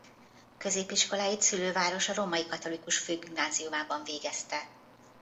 Középiskoláit szülővárosa Római Katolikus Főgimnáziumában végezte.